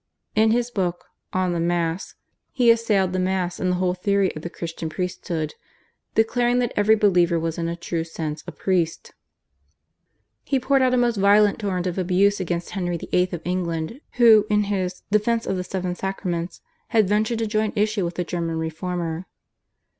In his book /On the Mass/ he assailed the Mass and the whole theory of the Christian priesthood, declaring that every believer was in a true sense a priest. He poured out a most violent torrent of abuse against Henry VIII. of England, who, in his /Defence of the Seven Sacraments/, had ventured to join issue with the German reformer.